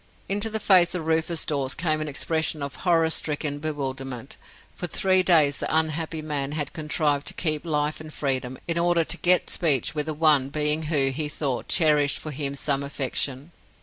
Into the face of Rufus Dawes came an expression of horror stricken bewilderment. For three days the unhappy man had contrived to keep life and freedom, in order to get speech with the one being who, he thought, cherished for him some affection.